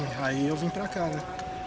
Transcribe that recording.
jadi saya datang ke sini